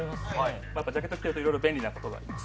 やっぱりジャケット着ているといろいろ便利なことがあります。